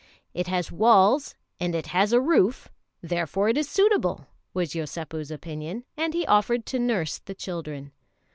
"It has walls and it has a roof, therefore it is suitable," was Yosépu's opinion; and he offered to nurse the children.